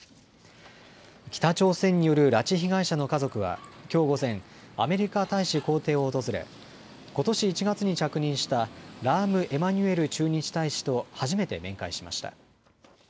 北朝鮮による拉致被害者の家族はきょう午前、アメリカ大使公邸を訪れ、ことし１月に着任したラーム・エマニュエル駐日大使と初めて面会しました。